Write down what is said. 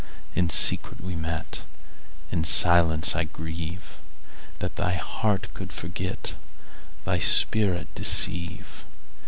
In secret we met:In silence I grieveThat thy heart could forget, Thy spirit deceive.